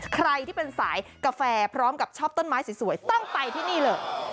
ใครที่เป็นสายกาแฟพร้อมกับชอบต้นไม้สวยต้องไปที่นี่เลย